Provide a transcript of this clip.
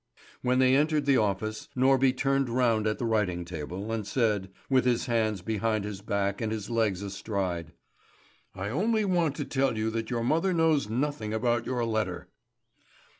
When they entered the office, Norby turned round at the writing table, and said, with his hands behind his back and his legs astride: "I only want to tell you that your mother knows nothing about your letter."